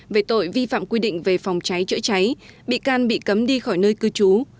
về tội vi phạm quy định về phòng cháy chữa cháy bị can bị cấm đi khỏi nơi cư trú